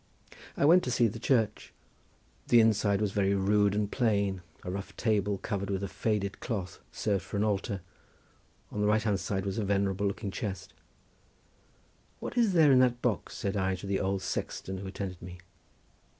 I went to see the church. The inside was very rude and plain—a rough table covered with a faded cloth served for an altar—on the right hand side was a venerable looking chest. "What is there in that box?" said I to the old sexton who attended me.